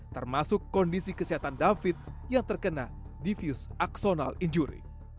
termasuk kondisi kesehatan david yang terkena diffuse accidental injury